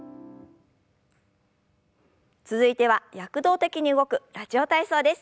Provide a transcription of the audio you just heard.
続いては躍動的に動く「ラジオ体操」です。